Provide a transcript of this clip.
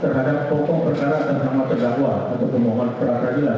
terhadap pokok perkara dan nama terdakwa untuk pemohon peradilan